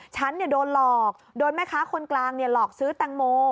ฉันโดนหลอกโดนแม่ค้าคนกลางหลอกซื้อแตงโม